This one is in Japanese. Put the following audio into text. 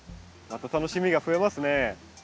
また楽しみがふえますね。